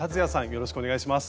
よろしくお願いします。